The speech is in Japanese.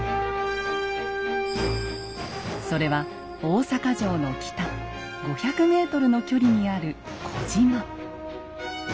それは大坂城の北５００ｍの距離にある小島。